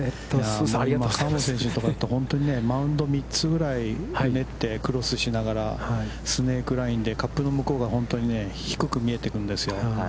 河本選手とかって、本当にマウンドを３つぐらいクロスしながら、スネークラインでカップの向こうが低く見えてるんですよ。